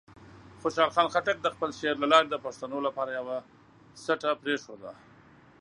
خوشحال خان خټک د خپل شعر له لارې د پښتنو لپاره یوه سټه پرېښوده.